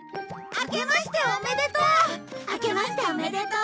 あけましておめでとう。